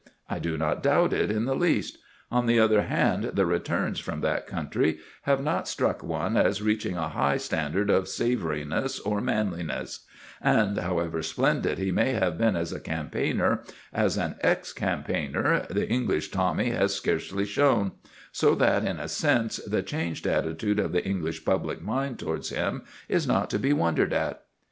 I do not doubt it in the least. On the other hand, the "returns" from that country have not struck one as reaching a high standard of savouriness or manliness; and, however splendid he may have been as a campaigner, as an ex campaigner the English Tommy has scarcely shone; so that in a sense the changed attitude of the English public mind towards him is not to be wondered at.